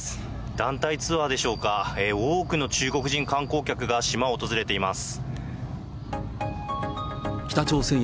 団体ツアーでしょうか、多くの中国人観光客が島を訪れています。